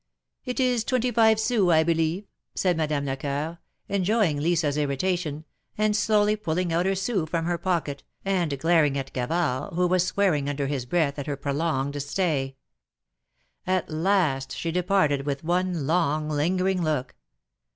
'^It is twenty five sous, I believe," said Madame Lecceur, enjoying Lisa's irritation, and slowly pulling out her sous from her pocket, and glaring at Gavard, who was swearing under his breath at her prolonged stay. At last she departed, with one long, lingering look.